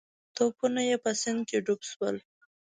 توپونه یې په سیند کې ډوب شول.